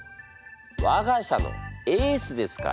わが社のエースですから。